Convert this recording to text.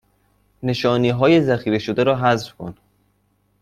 نشانی های ذخیره شده را حذف کن